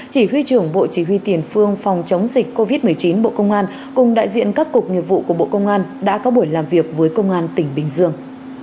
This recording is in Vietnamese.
chỉ huy trưởng bộ chỉ huy tiền phương phòng chống dịch covid một mươi chín bộ công an cùng đại diện các cục nghiệp vụ của bộ công an đã có buổi làm việc với công an tỉnh bình dương